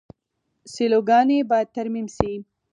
سیلوګانې باید ترمیم شي.